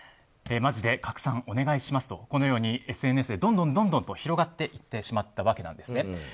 マジで拡散お願いしますとこのようにＳＮＳでどんどんと広がっていってしまったわけなんですね。